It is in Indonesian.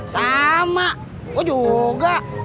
sama gue juga